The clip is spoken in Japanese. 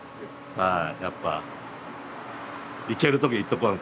はい。